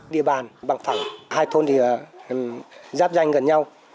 địa bàn bằng phẳng hai thôn thì giáp danh gần nhau